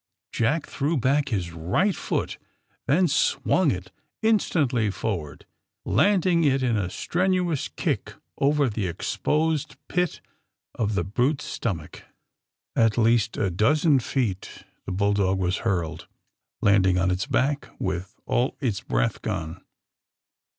Jack threw back his right foot, then AND THE, SMUGGLERS 59 swung it instantly forward^ landing it in a strenuous kick over the exposed pit of the brute ^s stomach. At least a dozen feet the bull dog was hurled, landing on its back with all its breath gone.